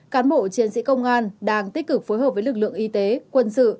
cán bộ chiến sĩ công an đang tích cực phối hợp với lực lượng y tế quân sự